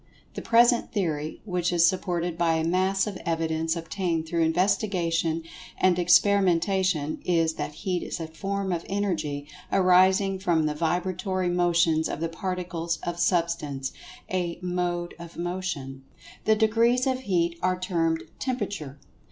The present theory, which is supported by a mass of evidence obtained through investigation and experimentation, is that Heat is a form of Energy, arising from the vibratory motions of the Particles of Substance—a "Mode of Motion." The degrees of Heat are termed "Temperature."